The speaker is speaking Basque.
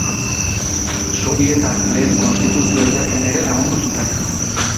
Sobietar lehen Konstituzioa idazten ere lagundu zuten.